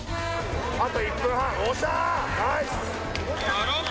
あと１分半。